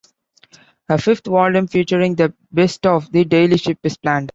A fifth volume featuring the best of the daily strip is planned.